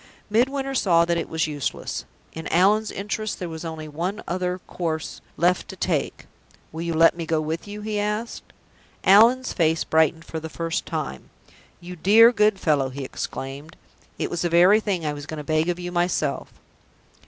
Midwinter saw that it was useless. In Allan's interests there was only one other course left to take. "Will you let me go with you?" he asked. Allan's face brightened for the first time. "You dear, good fellow!" he exclaimed. "It was the very thing I was going to beg of you myself."